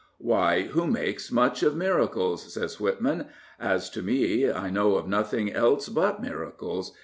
" Why, who makes much of miracles? " says Whitman. As to me, 1 know of nothing else but miracles